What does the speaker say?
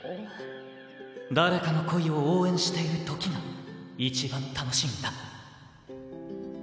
誰かの恋を応援している時が一番楽しいんだ。